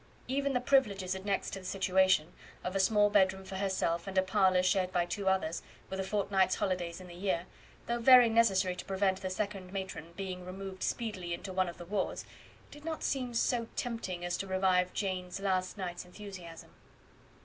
Even the privileges annexed to the situation, of a small bedroom for herself, and a parlour shared by two others, with a fortnight's holidays in the year, though very necessary to prevent the second matron being removed speedily into one of the wards, did not seem so tempting as to revive Jane's last night's enthusiasm.